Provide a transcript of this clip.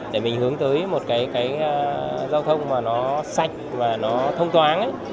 để mình hướng tới một cái giao thông mà nó sạch và nó thông toán